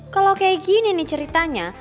kalau kayak gini nih ceritanya